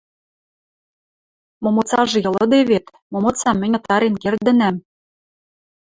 Момоцажы йылыде вет, момоцам мӹнь ытарен кердӹнӓм.